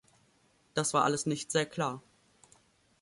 Das war alles nicht sehr klar.